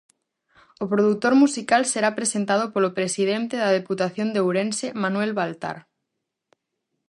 O produtor musical será presentado polo presidente da Deputación de Ourense, Manuel Baltar.